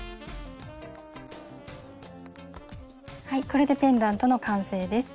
これでペンダントの完成です。